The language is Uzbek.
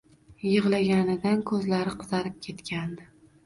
Yig`laganidan ko`zlari qizarib ketgandi